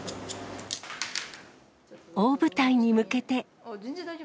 大舞台に向けて。